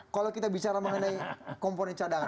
kalau kita bicara mengenai komponen cadangan